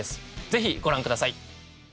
ぜひご覧ください